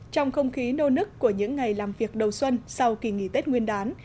trong không khí nô nức của những ngày làm việc đầu xuân sau kỳ nghỉ tết nguyên đán